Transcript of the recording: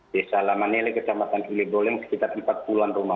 desa laman nele kecamatan ilegol yang sekitar empat puluh an rumah